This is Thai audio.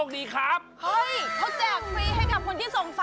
แล้วไม่ได้คนเดียวด้วยอ่ะ